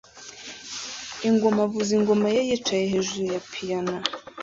Ingoma avuza ingoma ye yicaye hejuru ya piyano